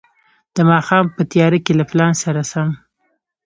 د ماښام په تياره کې له پلان سره سم.